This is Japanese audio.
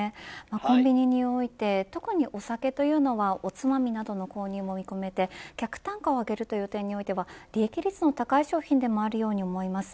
コンビニにおいて特にお酒というのはおつまみなどの購入も見込めて客単価を上げるという点においては利益率の高い商品でもあるように思います。